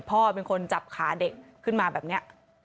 พ่อเป็นคนจับขาเด็กขึ้นมาแบบนี้